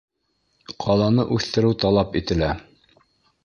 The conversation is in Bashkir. — Ҡаланы үҫтереү талап ителә.